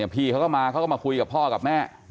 พี่เขาก็มาคุยกับพ่อกับแม่